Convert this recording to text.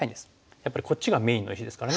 やっぱりこっちがメインの石ですからね。